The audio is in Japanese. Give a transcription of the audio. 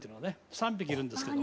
３匹いるんですけど。